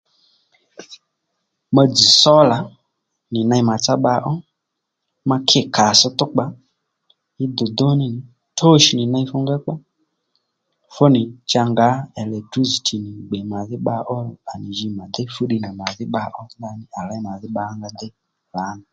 Ma dzz̀ sólà nì ney màtsá bba ó ma kî kàtss túkpà í dùdú ní nì toch nì ney fúngákpá fúnì cha ngǎ elektrisiti gbe ngǎ màdhí bba ó à jì mà déy fúddiy nà màdhí bba ó ndaní à léy bba ónga déy lǎní